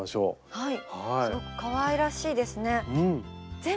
はい。